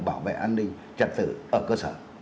bảo vệ an ninh trật tự ở cơ sở